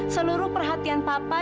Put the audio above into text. seluruh perhatian papa